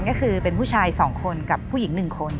ก็คือเป็นผู้ชาย๒คนกับผู้หญิง๑คน